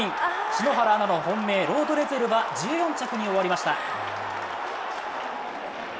篠原アナの本命ロードレゼルは１４着に終わりました。